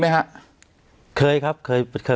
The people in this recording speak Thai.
อุ้มิทัศน์มันก็มองรถนี่